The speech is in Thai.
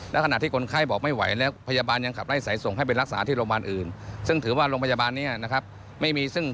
และขณะที่คนไข้บอกไม่ไหวพยาบาลยังขับไล่สายส่งให้ไปรักษาที่โรงพยาบาลอื่น